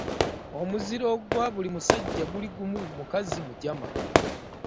Omuziro gwa buli musajja guli gumu, mukazi mujama.